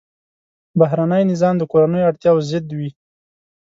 بهرنی نظام د کورنیو اړتیاوو ضد وي.